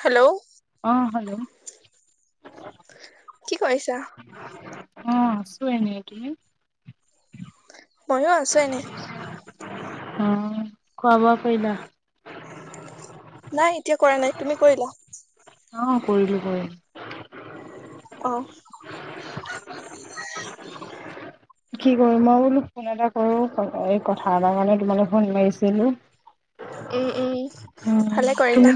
Hello অঁ, hello. কৈছা। আছো এনে তুমি? মইয়ো আছো এনে। উম খোৱাবোৱা কৰিলা? [unintelligible] নাই এতিয়া কৰা নাই তুমি কৰিলা? অঁ, কৰিলো কৰিলো। অঁ। কি কৰি মই বোলো। ফোন এটা কৰো এ কথা এটাৰ কাৰণে তোমালে ফোন মাৰিছিলো। উম উম উম ভালে তুমি কৰিলা।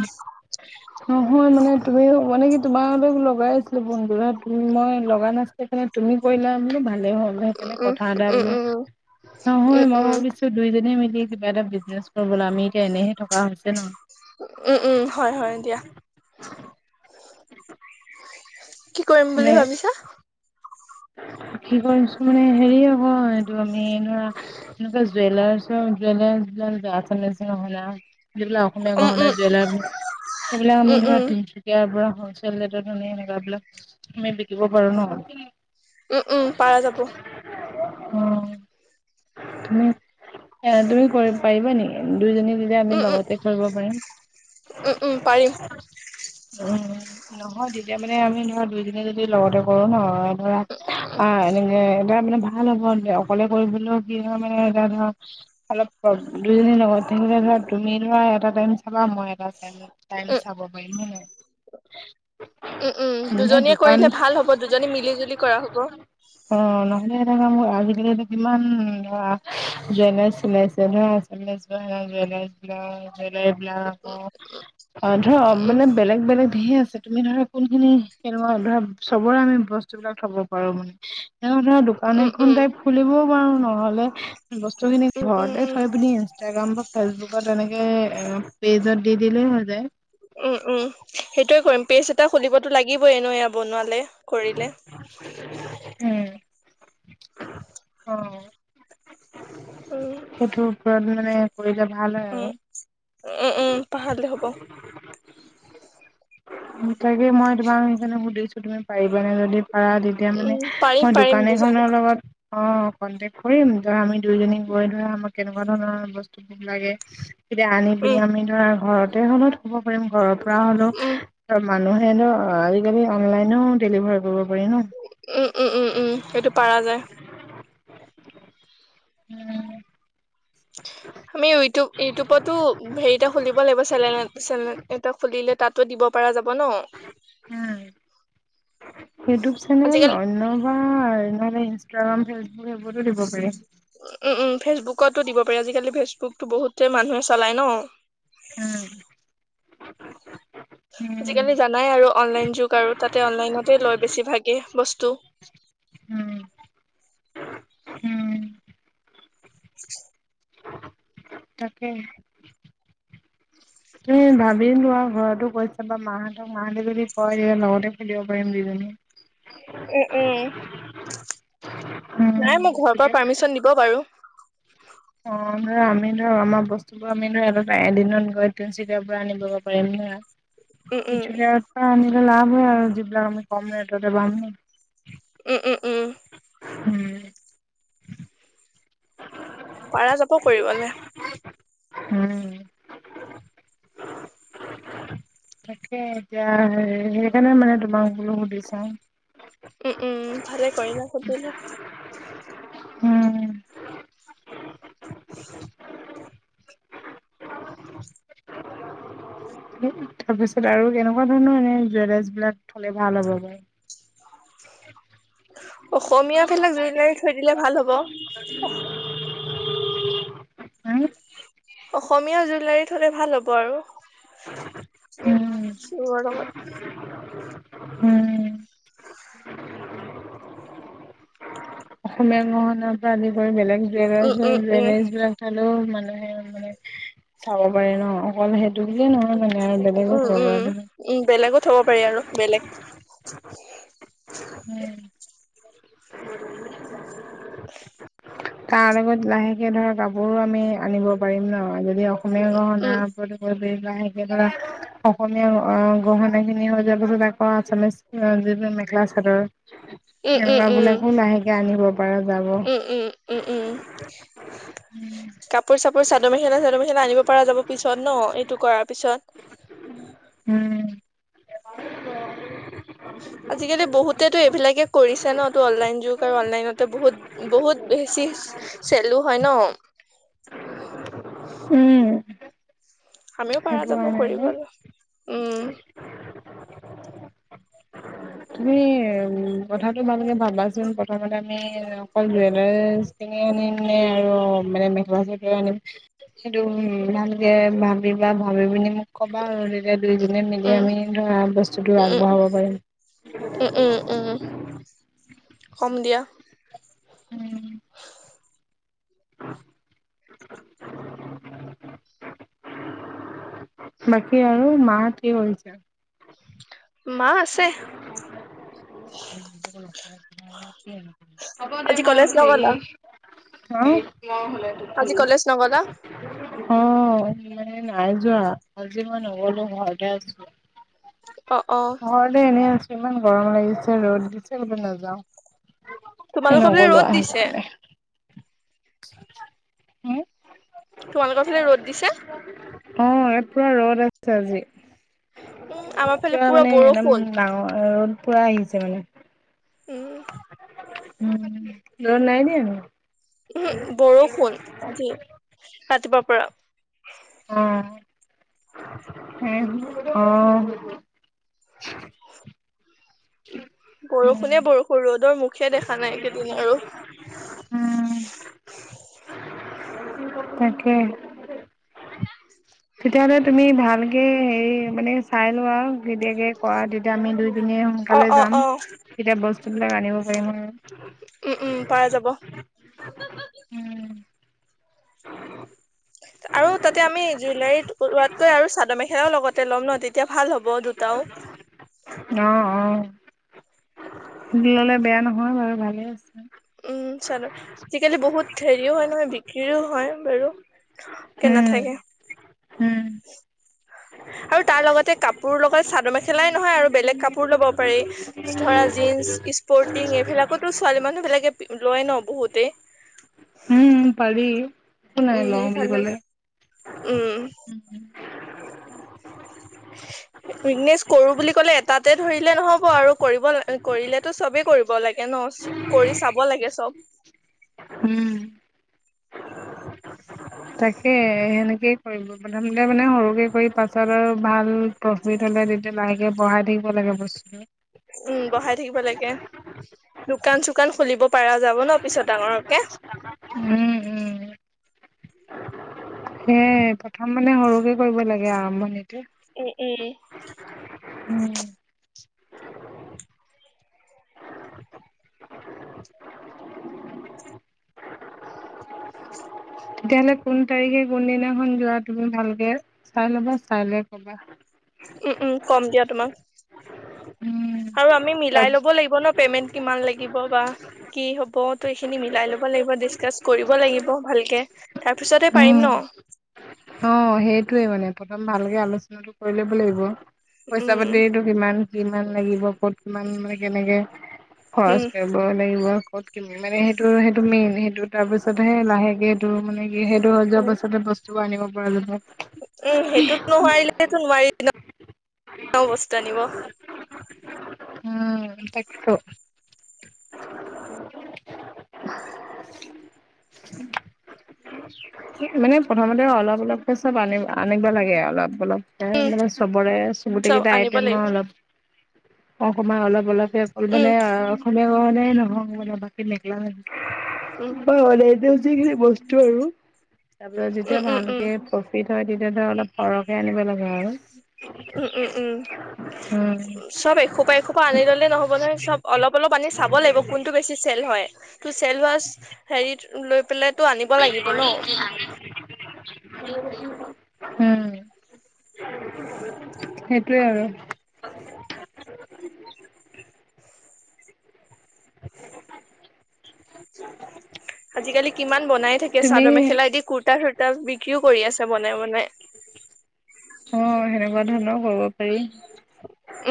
নহয় মানে তুমি মো ৱা। নিকি তোমাৰ লগাই আছিলে ফোনটো তুমি মই লগা নাছিলে কাৰানে তুমি কৰিলা বোলো ভাল। লে হ'ল উম সেইকাৰণে উম কথা এটা উম বোলো নহয় উম মই উম ভাবিছো দুইজনে মিলি। এটা বিজনেজ। তবলা আমি এতিয়া এনেহে থকা হৈছ। উম উম হয় হয় দিয়া। [unintelligible] কি কৰিম বুলি ন ভাবিছা? কি কৰিম মানে হেৰি আকৌ এইটো আমি ধৰা এনেকুৱা জুৱেলাচ জেলাহজন। [inaudible] যিবিলাক অসমীয়া উম উম গহনা জুৱেলাৰ সেইবিলাক উম আমি উম ধৰা তিনচুকীয়াৰ পৰা। হলচেল ৰেটতু এনেুৱ বিলাক, আমি বিকিব পাৰো ন। উম [unintelligible] উম পাৰা যাব। অ তুমি, তুমি কৰিব পাৰিবা নেকি? দুইজনী দিলে আমি উম উম লগতে কৰিব পাৰিম। উম উম পাৰিম। উম, নহয়। তেতিয়া মানে, আমি ধৰা দুই দিনে যদি লগতে কৰোঁ ন' ধৰা উম অ'! এদিনে ধৰা পেলাম। ভাল হ'ব অকলে কৰিবলৈও কি হয় মানে, এতিয়া ধৰা, অলপ দুইজনীৰ লগত থাকিলে ধৰা, তুমি ধৰা এটা টাইম চাবা, মই [unintelligible] টাইম উম চাব পাৰিম হয় নহয় উম, উম, নাই দুজনীয়ে দোকান কৰিলে ভাল হ'ব। দুজনী মিলি জুলি কৰা হ'ব। [unintelligible] এইবিলাক অ'! অ'! ধৰক উম মানে, বেলেগ বেলেগ ধেৰ আছে। তুমি ধৰা কোনখিনি কেনেকুৱা ধৰা চবৰে আমি বস্তুবিলাক থব পাৰোঁ মানে। তেওঁ ধৰা আন উম এখন উম টাইপ খুলিব। অ'! নহ'লে ত' এইখিনি উম উম ঘৰতে উম থৈ পিনি ইনষ্টাগ্ৰাম বা ফেচবুকত এনেকে পেজত দি দিলেই হৈ যায়। পেষ্ট এটা খুলিবতো লাগিবই এনেয়ো এয়া বনোঁৱালে। উম! অ'! উম সেইটোৰ ওপৰত মানে কৰি যা ভাল হয় উম আৰু। উম, উম, পাহাৰিলে হ'ব। তাকে মই তোমাক সেইকাৰণে সুধিছোঁ! তুমি পাৰিবানে যদি আৰু তেতিয়া মানে, উম পাৰিম মই পাৰিম দোকান দুজন এখনৰ লগত অ'! কণ্টেক্ট কৰিম, ধৰা আমি দুয়োজনীক গৈ ধৰা আমাক কেনেকুৱা ধৰণৰ বস্তুবোৰ লাগে। এতিয়া আনি পিনি উম আমি ধৰা ঘৰত [unintelligible] কৰিম ঘৰৰ পৰা হ'লেও। উম মানুহে এনেও আজিকালি অনলাইনো ডেলিভাৰ কৰিব পাৰি ন উম! উম! উম! উম! সেইটো পাৰা যায়। উম! আমি ইউটিউব, ইউটিউবতো হেৰি এটা খুলিব লাগিব চেনেল এ চেলুন এটা খুলিলে তাত তাতো দিব পৰা যাব ন'! [unintelligible] ইউটিউব চেনেল আজিকালি অন্যবাৰ ইষ্টাগ্ৰাম খেল মোৰ সেইবোৰো দিব পাৰি। উম উম ফেচবুকতো দিব পাৰি আজিকালি ফেচবুকত বহুতেই মানুহে চলায় ন। উম উম আজিকালি জানাই আৰু অনলাইন যুগ আৰু তাতে অনলাইনতে লয় বেছি ভাগে বস্তু, উম [inaudible] তাকে ত ভাবিম ত আৰু ঘৰতো কৈছা বা মাহঁতক মাহঁতি যদি কয় লগতে খুলিব পাৰিম দুজনী উম উম নাই মোক ঘৰৰ পৰা তেতিয়া পাৰ্মিচন দিব বাৰু অ ধৰা আমি ধৰা আমাৰ বস্তুবোৰ আমি ধৰা এদিনত গৈ তিনিচুকীয়াৰ পৰা আনিব পাৰিম নৰা উম উম তিনিচুকীয়া পৰা আনিল লাভ সেযা আৰু যিবিলাক আমি কম ৰেটতে পাম। উম - উম- উম উম পৰাৰা যাব কৰিবলে। উম তাকে এতিয়াে সেই সেইকাৰণে মানে তোমাক বোলো সুধি চাওঁ। উম -উম ভালে কৰিলা সুধিলা, উম তাৰপিছত আৰু কেনেকুৱা ধৰণৰ এনে জুৱেলাৰছ বিলাক থলে ভাল হ'ব বাৰু অসমীয়া ভিলাক জুইলাৰ থৈ দিলে ভাল হ'ব। হ [inaudible] অসমীয়া জুলাৰি থ'লে ভাল হ'ব আৰু উম কিহ লগত? উম। অসমীয়া গহনাৰ পৰা আদি কৰি বেলেগ, উম বেমেজ উম উম -বেমেজ বিলাক খালেও মানে, মানে মানে চাব পাৰে ন অকল সেইটো বুলিয়ে নহয় মানে আৰু বেলেগো উম থব -উম পাৰে তুমি। -উম বেলেগত থব পাৰি আৰু বেলেগ তাৰ লগত লাহেকে ধৰ কাপোৰো আমি আনিব পাৰিম ন যদি কনে গহনা উম বা সেইে ধৰা অসমীয়া গহনা খিনি হৈ যোৱাৰ পাছত আকৌ আছামিছ যিটো মেখেলা চাদৰ উম উম সেৱা উম বিলাকো লাহেকে আনিব পৰা যাব। উম উম উম উম কাপোৰ চাপোৰ চাদৰ মেখেলা চাদৰ মেখেলা আনিব পৰা যাব পিছত ন এইটো কৰাৰ পিছত উম আজিকালি বহুতেতো এইবিলাকে কৰিছে ন ত অনলাইন যুগ আৰু অনলাইনতে বহুত বহুত বেছি চেলু হয় ন। উম আমিও পাৰা যাব আকৌ কৰিবলৈ উম তুমি উম কথাটো ভালকে ভাবাচোন প্ৰথমতে আমি অকল জুৱেলাৰ কিনি আনিম নে আৰু মানে মেখেলা চেখেলা আনিম সেইটো ভালকে ভাবিবা ভাবি পিনি মোক কবা আৰু দুজনে মিলি উম আমি ধৰা বস্তুটো উম আগবঢ়াব পাৰিম উম উম উম কম দিয়া বাকী আৰু মা হত কৰিছে মা আছে হ'ব দে আজি মই কলেজ হেৰি নগলা হা ই [unintelligible] আজি কলেজ নগলা অ মানে নাই যোৱা আজি মই নগলো ঘৰতে আছো অ অ ঘৰতে এনে আছো ইমান গৰম লাগিছে ৰ'দ দিছে বোলো নাযাওঁ। তোমালোকৰ বোলে ৰ'দ দিছে হ [unintelligible] তোমালোকৰ ফালে ৰ'দ দিছে অ ইয়াত পুৰা ৰ'দ আছে আজি উম আমাৰ ফালে পোৰা পুৰা মানে একদম বৰষুণ ডাঙৰ ৰ'দ পুৰা আহিছে মানে উম উম ৰদ নাই দিয়া মানে? উম বৰষুণ আজি ৰাতিপুৱা পৰা আহ অ [inaudible] বৰষুণে বৰষুণ ৰ'দৰ মুখ খে দেখা নাই কেইদিন আৰু উম তাকে [inaudible] তেতিয়াহ'লে তুমি ভালকে হেৰি মানে চাই লোৱা আৰু কেতিয়াকে কৰা তেতিয়া আমি দুই [unintelligible] পিনে অ সোনকালে অ যাম অ তেতিয়া বস্তু বিলাক আনিব পাৰিম আৰু। উম উম পাই যাব আৰু তাতে আমি জুইলাৰীত লোৱাতকৈ আৰু চাদৰ মেখেলাও লগতে ল'ম ন তেতিয়া ভাল হ'ব দুটাও। অ অ। ললে বেয়া নহয় বাৰু ভালে আছে। উম চালো আজিকালি বহুত হেৰিও হয় নহয় বিক্ৰী। ও হয় বাৰু কে উম নেথাকে। উম [unintelligible] আৰু তাৰ লগতে কাপোৰ লগত চাদৰ মেখেলাই নহয় আৰু বেলেগ কাপোৰ লব পাৰি ধৰা জীন্স স্পৰ্টিং এইবিলাকো ছোৱালী মানুহ বিলাকে লয় ন বহুতে একো নাই উম লওঁ বুলি সেইফালে উম। উম। বিজনেছ কৰো বুলি কলে এটাতে ধৰিলে নহব আৰু কৰিব কৰিলেতো চবেই কৰিব লাগে ন কৰি চাব লাগে চব। উম তাকে সেনেকেই কৰিব প্ৰথমতে মানে সৰুকে কৰি পাছত আৰু। ভাল প্ৰফিত হ'লে তেতিয়া লাহেক। কে বঢ়াই থাকিব লাগে বস্তুটো। উম বহাই থাকিব লাগে দোকান চোকান খুলিব। পাৰা যাব ন পিছত ডাঙৰকে। উম উম সেয়াই। প্ৰথম মানে সৰুকে কৰিব লাগে আৰম্ভণি। উম - উম। উম তেতিয়াহ'লে কোন তাৰিখে কোনদিনাখন যোৱা তুমি ভালকে চাই ল'বা চাই লৈ কবা? উম উম কম দিয়া তোমাক উম আৰু আমি মিলাই তাৰপিছত ল'ব লাগিব ন পেমেন্ট কিমান লাগিব বা কি হব ত এইখিনি মিলাই ল'ব লাগিব ডিচকাছ কৰিব লাগিব ভালকে। তাৰ পিছতে পাৰিম উম ন অঁ সেই। টোয়ে মানে প্ৰথম ভালকে আলোচনাটো কৰি ল'ব লাগিব। পইচা উম পাতিটো কিমান। কিমান লাগিব কত কিমান মানে কেনেকে, উম খৰচ কৰিব লাগিব। মি মানে সেইটো সেইটো মেইন সেইটো- তাৰ পিছতহে লাহেকে- টো মানে সেইটো হৈ যোৱাৰ পাছতে বস্তুবোৰ আনিব- মানুহক, এই সেইটো নহোৱাৰিলেটো নোৱাৰিল ন বস্তু আনিব। উম তাকেটো । মানে প্ৰথমতে অলপ অলপকে চব আনি আনিব লাগে অলপ অলপ । এ উম চবৰে চুট চব কেইটা আনিব আইটম লাগিব অলপ, অলপ অলপে অ উম মানে অসমীয়া গহনাই ন । হংগ মানে বাকী নিকলা উম [unintelligible] বল এই দে, সেইকাৰণে ব, আৰু, তাৰপিছত যেতিয়া উম উম ভালকে উম প্ৰফিট হয়, তেতিয়া ধৰ অলপ সৰহকে আনিব লাগে আৰু । উম উম উম চব এসোপা এসোপা আনি ললে নহ'ব নহয়, চব অলপ অলপ আনি চাব লাগিব। কোনটো বেছি চেল হয় । টু চেলভাছ হেৰিটো লৈ পেলাই, বক কি হ [unintelligible] উম। সেইটো । ক [unintelligible] [inaudible] আজিকালি কিমান বনাই থাকে, তুমি চাদৰ মেখেলাদি কুৰ্তা চুুৰ্তা বিক্ৰীও কৰি আছে । বনাই বনাই। অ সেনেকুৱা ধৰণৰও কৰিব পাৰি।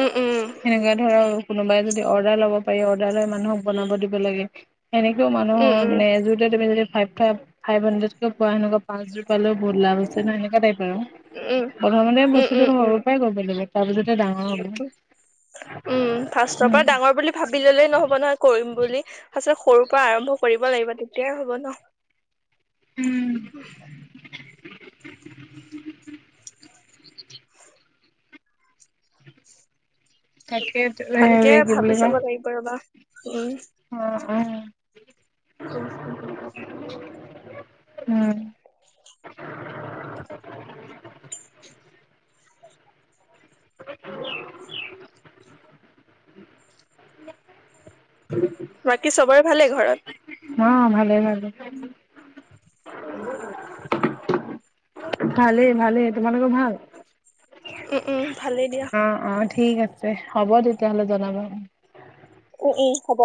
উম উম ধৰ আৰু । কোনোবাই যদি অৰ্ডাৰ লব পাৰি, অৰ্ডাৰ লোৱা মানুহক বনাব দিব লাগে । সেনেকোৱা মানুহৰ উম মানে এযোৰতে তুমি যদি, ফাইভ ফাইভ হাণ্ড্ৰেডকে পোৱা সেনেকুৱা পাঁচযোৰ পালে বহুত লাভ আছে ন । এগতোইপো উম উম [unintelligible] প্ৰথমতে বস্তুতটো সৰুৰ পৰাই ক'ব । তাৰপিছত, উ উম ফাষ্টৰ পৰা ডাঙৰ বুলি ভাবি ললেই নহ'ব নহয় কৰিম বুলি । আচলতে সৰু পৰা আৰম্ভ, কৰিব লাগিব । তেতিয়াই হ'ব ন । উম । [unintelligible] তাকে হেৰি কি বুলি কয় উ [inaudible] অ', অ', উম [unintelligible] বাকী চবৰে ভালেই ঘৰত উম অহ ভালে ভালে তোমালোকৰ ভাল উম উম ভালেই দিয়া অ অ ঠিক আছে হ'ব তেতিয়াহ'লে জনাবা উম ই ই হ'ব